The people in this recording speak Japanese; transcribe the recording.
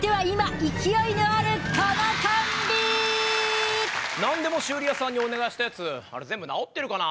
続いてはなんでも修理屋さんにお願いしたやつ全部直ってるかな？